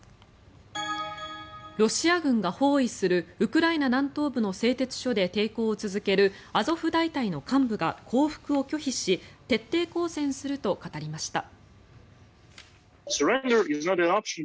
ロシア軍が包囲するウクライナ南東部の製鉄所で抵抗を続けるアゾフ大隊の幹部が降伏を拒否し徹底抗戦すると語りました。